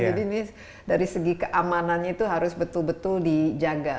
jadi ini dari segi keamanan itu harus betul betul dijaga